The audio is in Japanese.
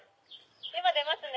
今出ますね。